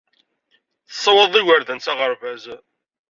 Tessawaḍeḍ igerdan s aɣerbaz.